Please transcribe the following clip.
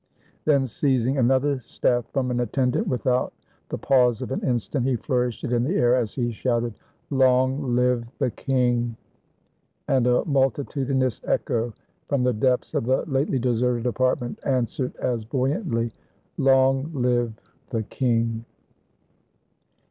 Then seizing another staff from an attendant, without the pause of an instant, he flourished it in the air as he shouted, "Long live the king!" And a multitudinous echo from the depths of the lately deserted apartment answered as buoyantly, "Long live the king!"